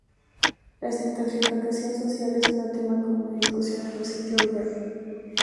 La estratificación social es un tema común de discusión en los sus sitios web.